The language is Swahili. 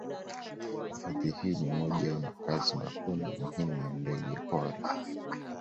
Hifadhi hii ni moja ya makazi makuu na muhimu ya ndege pori